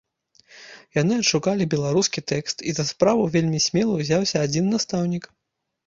Яны адшукалі беларускі тэкст, і за справу вельмі смела ўзяўся адзін настаўнік.